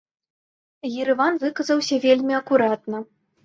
Ерэван выказаўся вельмі акуратна.